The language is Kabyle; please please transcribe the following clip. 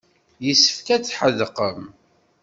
Yessefk ad tḥedqem.